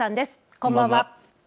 こんばんは。